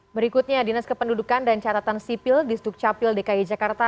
berikutnya dinas kependudukan dan catatan sipil di sdukcapil dki jakarta